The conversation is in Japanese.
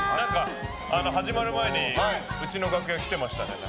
始まる前にうちの楽屋来てましたね。